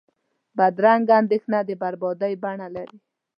بدرنګه اندیشه د بربادۍ بڼه لري